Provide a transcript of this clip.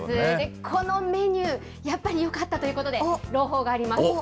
このメニュー、やっぱりよかったということで、朗報があります。